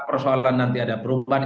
persoalan nanti ada perubahan